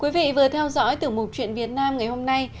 quý vị vừa theo dõi tiểu mục chuyện việt nam ngày hôm nay